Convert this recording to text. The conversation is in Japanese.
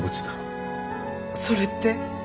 それって。